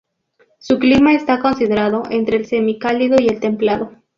Su clima está considerado entre el semicálido y el templado.